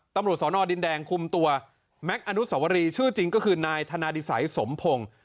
ตำรวจสอนอดินแดงคุมตัวแม็กซ์อนุสวรีชื่อจริงก็คือนายธนาดิสัยสมพงศ์